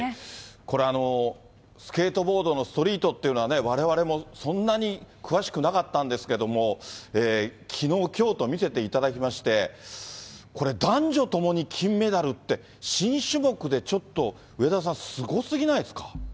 これ、スケートボードのストリートっていうのはね、われわれもそんなに詳しくなかったんですけれども、きのう、きょうと見せていただきまして、これ、男女ともに金メダルって、新種目でちょっと上田さん、すごすぎないですか？